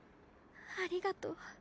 ありがとう。